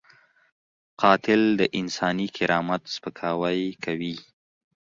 قاتل د انساني کرامت سپکاوی کوي